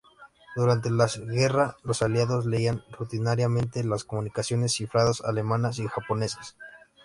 Durante la guerra, los aliados leían rutinariamente las comunicaciones cifradas alemanas y japonesas.